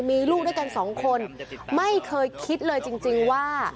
มีลูกด้วยกันสองคนไม่เคยคิดเลยจริงว่า